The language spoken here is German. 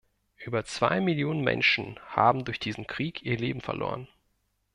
Über zwei Millionen Menschen haben durch diesen Krieg ihr Leben verloren.